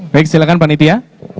baik silahkan pak nitya